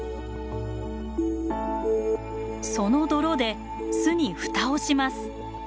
その泥で巣に蓋をします。